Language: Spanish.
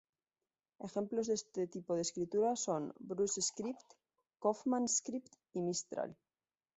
Ejemplos de este tipo de escritura son: Brush Script, Kaufmann Script, y Mistral.